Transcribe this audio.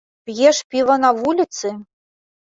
П'еш піва на вуліцы?